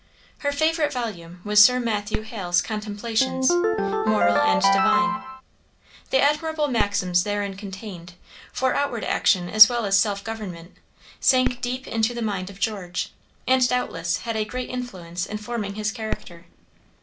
Her favorite volume was Sir Mathew Hale's Contemplations, moral and divine. The admirable maxims therein contained, for outward action as well as self government, sank deep into the mind of George, and doubtless had a great influence in forming his character.